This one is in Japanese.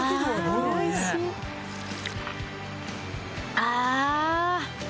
ああ。